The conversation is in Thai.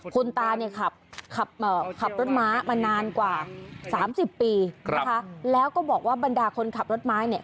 คุณตาเนี่ยขับรถม้ามานานกว่า๓๐ปีนะคะแล้วก็บอกว่าบรรดาคนขับรถไม้เนี่ย